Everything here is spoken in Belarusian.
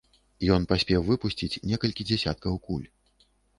Ён паспеў выпусціць некалькі дзясяткаў куль.